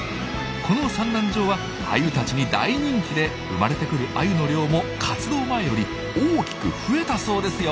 この産卵場はアユたちに大人気で生まれてくるアユの量も活動前より大きく増えたそうですよ。